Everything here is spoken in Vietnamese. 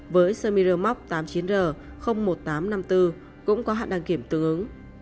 với sơ mirror móc tám mươi chín r một nghìn tám trăm năm mươi bốn cũng có hạn đăng kiểm tương ứng